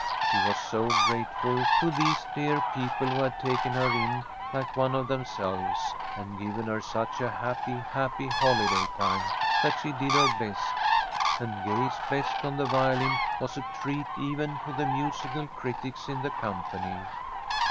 She was so grateful to these dear people who had taken her in like one of themselves, and given her such a happy, happy holiday time that she did her best, and Gay's best on the violin was a treat even to the musical critics in the company.